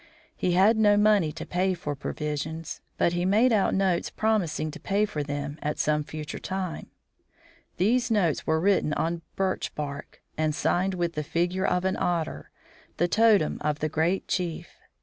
He had no money to pay for provisions, but he made out notes promising to pay for them at some future time. These notes were written on birch bark, and signed with the figure of an otter, the totem of the great chief.